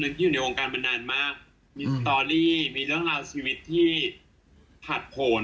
ที่อยู่ในวงการมานานมากมีสตอรี่มีเรื่องราวชีวิตที่ผลัดผล